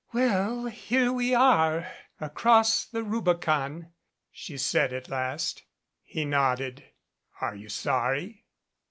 "Well, here we are across the Rubicon," she said at last. He nodded. "Are you sorry?"